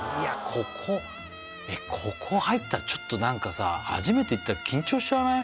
ここここ入ったらちょっとなんかさ初めて行ったら緊張しちゃわない？